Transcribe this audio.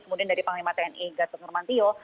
kemudian dari panglima tni gatot nurmantio